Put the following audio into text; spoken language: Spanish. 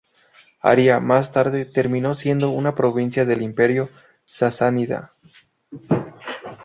Aria, más tarde, terminó siendo una provincia del Imperio sasánida.